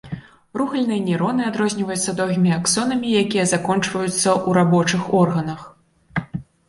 Рухальныя нейроны адрозніваюцца доўгімі аксонамі, якія заканчваюцца ў рабочых органах.